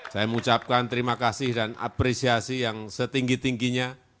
saya mengucapkan terima kasih dan apresiasi yang setinggi tingginya